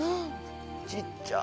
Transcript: ちっちゃ。